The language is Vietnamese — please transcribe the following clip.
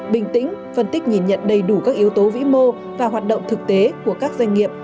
bình tĩnh phân tích nhìn nhận đầy đủ các yếu tố vĩ mô và hoạt động thực tế của các doanh nghiệp